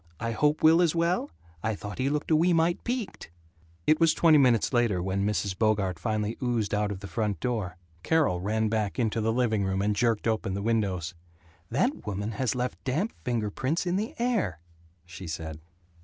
I hope Will is well? I thought he looked a wee mite peaked." It was twenty minutes later when Mrs. Bogart finally oozed out of the front door. Carol ran back into the living room and jerked open the windows. "That woman has left damp finger prints in the air," she said.